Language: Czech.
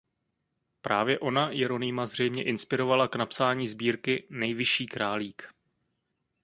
Právě ona Jeronýma zřejmě inspirovala k napsání sbírky "Nejvyšší králík".